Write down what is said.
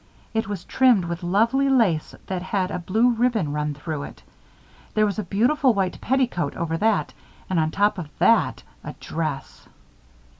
It was trimmed with lovely lace that had a blue ribbon run through it. There was a beautiful white petticoat over that and on top of that a dress."